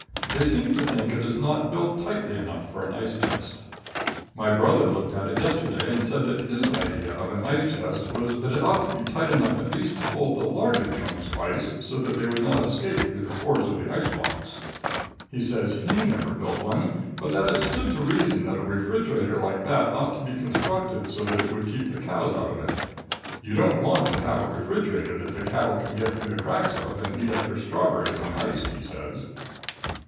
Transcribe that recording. They seem to think it is not built tightly enough for an ice chest. My brother looked at it yesterday, and said that his idea of an ice chest was that it ought to be tight enough at least to hold the larger chunks of ice so that they would not escape through the pores of the ice box. He says he never built one, but that it stood to reason that a refrigerator like that ought to be constructed so that it would keep the cows out of it. You don't want to have a refrigerator that the cattle can get through the cracks of and eat up your strawberries on ice, he says.